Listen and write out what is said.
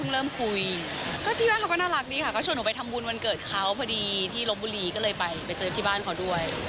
รมบุรีก็เลยไปฝืนที่บ้านเขาด้วย